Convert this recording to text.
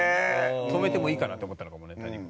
泊めてもいいかなと思ったのかもね谷君。